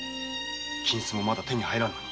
金子もまだ手に入らぬのに。